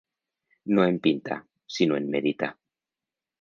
No en pintar, sinó en meditar.